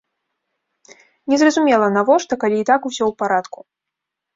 Незразумела, навошта, калі і так усё ў парадку.